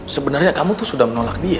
sebenarnya kamu tuh sudah menolak dia